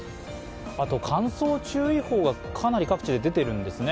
乾燥注意報がかなり各地で出ているんですね。